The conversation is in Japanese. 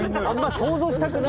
「想像したくない」